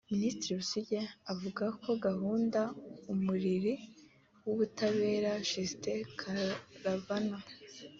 Minisitiri Businge avuga ko gahunda “Umuriri w’ubutabera” (Justice Caravan)